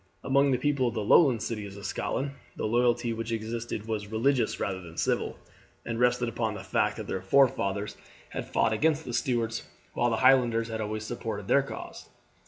Among the people of the Lowland cities of Scotland the loyalty which existed was religious rather than civil, and rested upon the fact that their forefathers had fought against the Stuarts, while the Highlanders had always supported their cause.